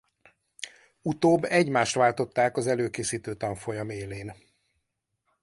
Utóbb egymást váltották az előkészítő tanfolyam élén.